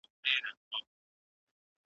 بندوي چي قام په دام کي د ښکاریانو .